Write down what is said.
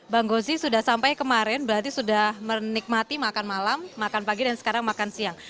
bang gozi sudah sampai kemarin berarti sudah menikmati makan malam makan pagi dan sekarang makan siang